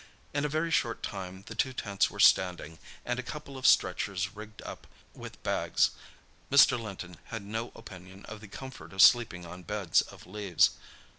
In a very short time the two tents were standing, and a couple of stretchers rigged up with bags—Mr. Linton had no opinion of the comfort of sleeping on beds of leaves.